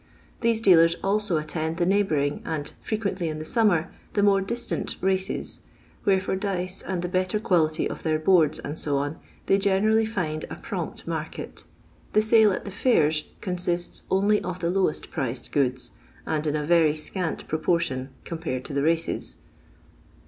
These dealers also attend the neighbouring, and, frequently in the summer, the more distant races, where fur dice and the better quality of their "boards," &c., they generally find a prompt market. The sale at the fairs consists only uf the lowest priced goods, and in a very scant proportion compared to the races.